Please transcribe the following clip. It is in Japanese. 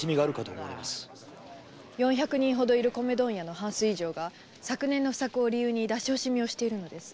四百人ほどいる米問屋の半数以上が昨年の不作を理由に出し惜しみをしているのです。